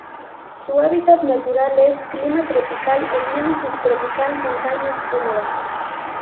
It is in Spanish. Su hábitat natural es: Clima tropical o Clima subtropical, montañas húmedas.